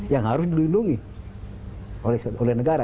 yang harus dilindungi oleh negara